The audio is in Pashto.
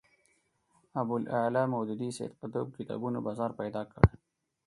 ابوالاعلی مودودي سید قطب کتابونو بازار پیدا کړ